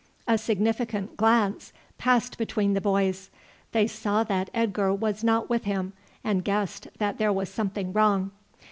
A significant glance passed between the boys. They saw that Edgar was not with him, and guessed that there was something wrong.